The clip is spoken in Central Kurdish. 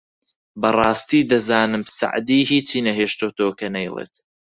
! بەڕاستی دەزانم سەعدی هیچی نەهێشتۆتەوە کە نەیڵێت